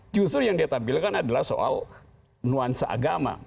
justru yang dia tampilkan adalah soal nuansa agama